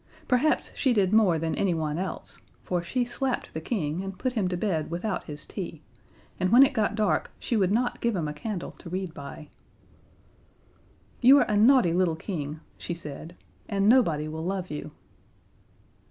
Perhaps she did more than anyone else, for she slapped the King and put him to bed without his tea, and when it got dark she would not give him a candle to read by. "You are a naughty little King," she said, "and nobody will love you."